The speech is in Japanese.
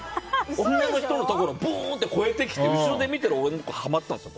女の人のところをブーンって越えてきて後ろで見てる俺のところにはまったんですよ。